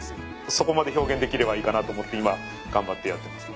そこまで表現できればいいかなと思って今頑張ってやってます。